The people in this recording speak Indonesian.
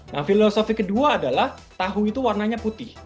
nah filosofi kedua adalah tahu itu warnanya putih